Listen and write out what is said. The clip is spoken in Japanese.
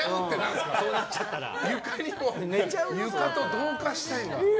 床と同化したいんだ。